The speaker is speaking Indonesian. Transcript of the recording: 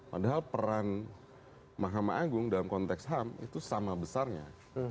padahal peran mahkamah agung dalam konteks ham itu sama besarnya